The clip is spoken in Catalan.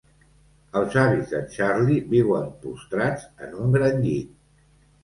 Els avis d'en Charlie viuen postrats en un gran llit.